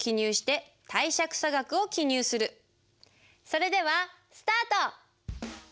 それではスタート！